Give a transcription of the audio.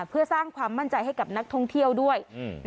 เพื่อสร้างความมั่นใจให้กับนักท่องเที่ยวด้วย